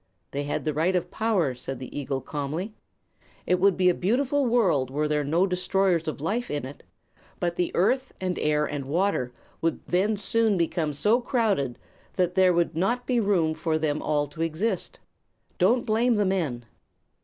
"They had the right of power," said the eagle, calmly. "It would be a beautiful world were there no destroyers of life in it; but the earth and air and water would then soon become so crowded that there would not be room for them all to exist. Don't blame the men."